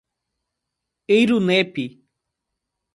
Eirunepé